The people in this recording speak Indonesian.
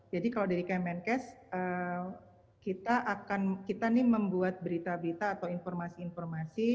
jadi kalau dari kemenkes kita akan kita ini membuat berita berita atau informasi informasi